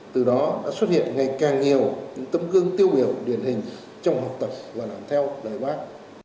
từ đó đã xuất hiện ngày càng nhiều tấm cương tiêu biểu điển hình trong học tập và làm theo đời bác